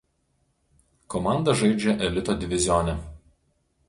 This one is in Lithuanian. Komanda žaidžia elito divizione.